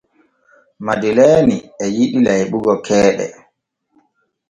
Madeleeni e yiɗi layɓugo keeɗe.